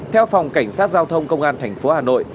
theo phòng cảnh sát giao thông công an tp hà nội